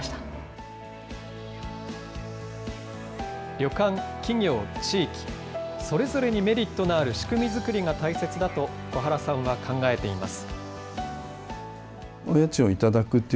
旅館、企業、地域、それぞれにメリットのある仕組み作りが大切だと、小原さんは考えています。